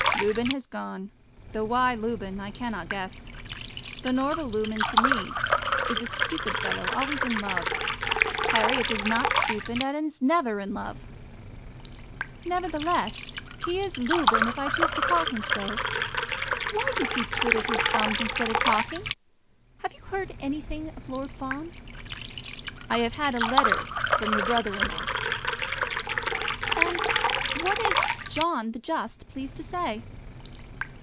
"Lubin has gone. Though why Lubin, I cannot guess. The normal Lubin to me is a stupid fellow always in love. Herriot is not stupid and is never in love." "Nevertheless, he is Lubin if I choose to call him so. Why did he twiddle his thumbs instead of talking? Have you heard anything of Lord Fawn?" "I have had a letter from your brother in law." "And what is John the Just pleased to say?"